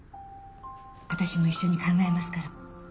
私も一緒に考えますから。